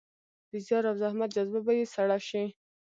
د زیار او زحمت جذبه به يې سړه شي.